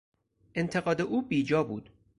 انتقاد او بیجا بود.